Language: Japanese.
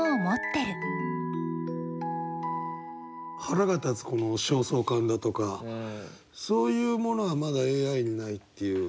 腹が立つこの焦燥感だとかそういうものはまだＡＩにないっていう。